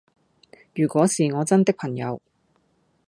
如果是我的真朋友